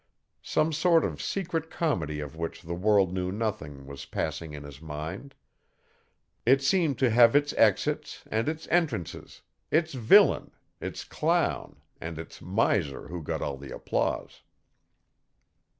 Some sort of secret comedy of which the world knew nothing, was passing in his mind; it seemed to have its exits and its entrances, its villain, its clown and its miser who got all the applause.